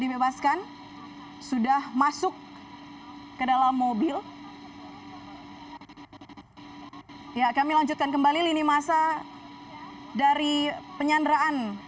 dibebaskan sudah masuk ke dalam mobil ya kami lanjutkan kembali lini masa dari penyanderaan